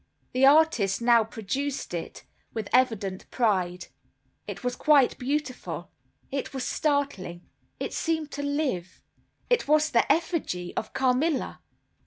The artist now produced it, with evident pride. It was quite beautiful; it was startling; it seemed to live. It was the effigy of Carmilla!